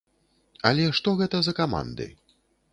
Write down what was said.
Але што гэта за каманды?